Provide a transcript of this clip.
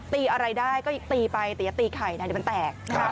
ตีอะไรได้ยังตีใครอย่าตีใครอย่างนั้นแปลก